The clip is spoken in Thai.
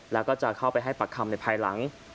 แล้วก็จะเข้าไปให้ปากคำในภายหลัง